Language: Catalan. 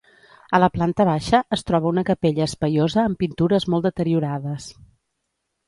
A la planta baixa es troba una capella espaiosa amb pintures molt deteriorades.